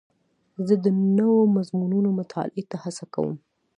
زه د نوو مضمونونو مطالعې ته هڅه کوم.